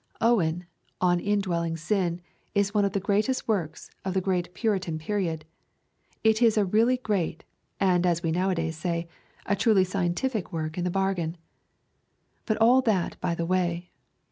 Owen On Indwelling Sin is one of the greatest works of the great Puritan period. It is a really great, and as we nowadays say, a truly scientific work to the bargain. But all that by the way.